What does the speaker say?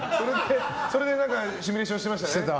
それでシミュレーションしてましたね。